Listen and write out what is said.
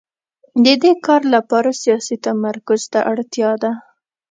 د دې کار لپاره سیاسي تمرکز ته اړتیا ده.